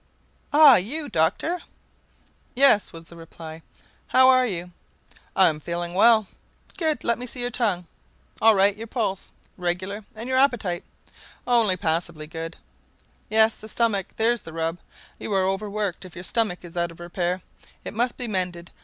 "Ah! you, Doctor?" "Yes," was the reply. "How are you?" "I am feeling well." "Good! Let me see your tongue. All right! Your pulse. Regular! And your appetite?" "Only passably good." "Yes, the stomach. There's the rub. You are over worked. If your stomach is out of repair, it must be mended.